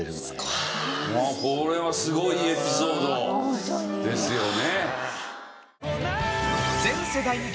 これはすごいエピソードですよね。